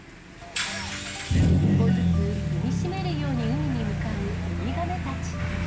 一歩ずつ踏みしめるように海に向かうウミガメたち。